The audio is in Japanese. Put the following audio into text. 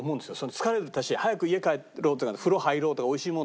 疲れたし早く家帰ろうっていうか風呂入ろうとかおいしいもの